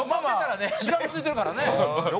しがみついてるからね。